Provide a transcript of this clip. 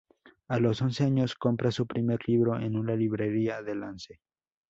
A los once años compra su primer libro en una librería de lance.